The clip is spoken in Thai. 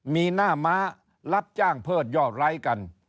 มีหน้าม้ารับจ้างเพิดยอดไร้กัน